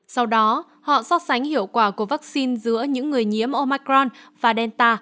sau đó họ so sánh hiệu quả của vaccine giữa những người nhiễm omicron và delta